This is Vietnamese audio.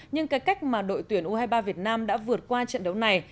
nhưng cái cách mà đội tuyển u hai mươi ba việt nam đã vượt qua trận đấu này